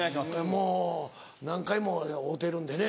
もう何回も会うてるんでね。